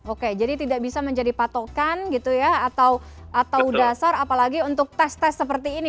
oke jadi tidak bisa menjadi patokan gitu ya atau dasar apalagi untuk tes tes seperti ini